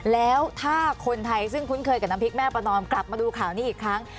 แล้วถ้าคนไทยซึ่งคุ้นเคยกับน้ำพริกแม่ประนอมกลับมาดูข่าวนี้อีกครั้ง